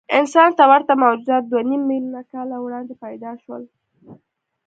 انسان ته ورته موجودات دوهنیم میلیونه کاله وړاندې پیدا شول.